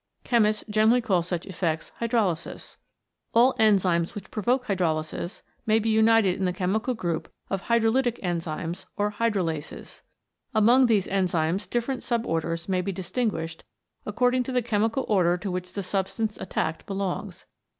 Chemists generally call such effects Hydrolysis. All enzymes which provoke hydrolysis may be 112 CATALYSIS AND THE ENZYMES united in the chemical group of Hydrolytic Enzymes or Hydrolases. Among these enzymes different sub orders may be distinguished according to the chemical order to which the substance attacked belongs.